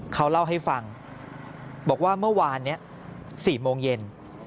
เขาเล่าให้ฟังบอกว่าเมื่อวานนี้๔โมงเย็น